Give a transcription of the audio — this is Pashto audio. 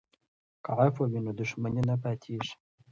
که عفوه وي نو دښمني نه پاتیږي.